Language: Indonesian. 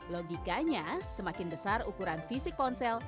logikanya semakin besar ukuran fisik ponsel